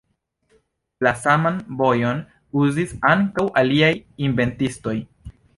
La saman vojon uzis ankaŭ aliaj inventistoj.